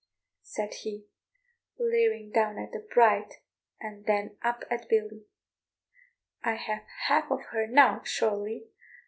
said he, leering down at the bride, and then up at Billy, "I have half of her now, surely.